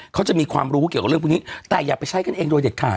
เขาจะมีความรู้เกี่ยวกับเรื่องพวกนี้แต่อย่าไปใช้กันเองโดยเด็ดขาด